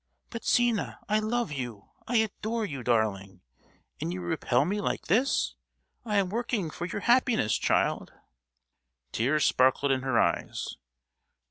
"But, Zina, I love you; I adore you, darling, and you repel me like this! I am working for your happiness, child!" Tears sparkled in her eyes.